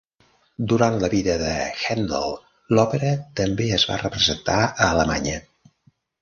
Durant la vida de Handel, l'òpera també es va representar a Alemanya.